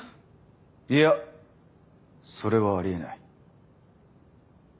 いやそれはありえない。